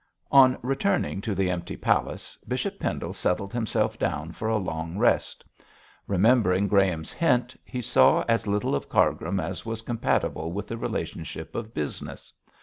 On returning to the empty palace, Bishop Pendle settled himself down for a long rest. Remembering Graham's hint, he saw as little of Cargrim as was compatible with the relationship of business.